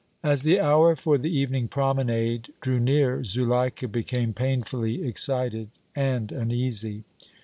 As the hour for the evening promenade drew near, Zuleika became painfully excited, and uneasy.